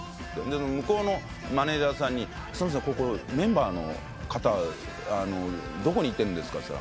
向こうのマネジャーさんに「すいません」「メンバーの方どこに行ってるんですか？」